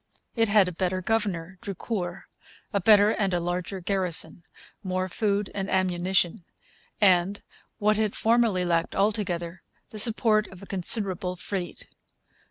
It had a better governor, Drucour, a better and a larger garrison, more food and ammunition, and, what it formerly lacked altogether, the support of a considerable fleet.